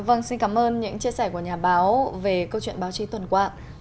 vâng xin cảm ơn những chia sẻ của nhà báo về câu chuyện báo chí tuần qua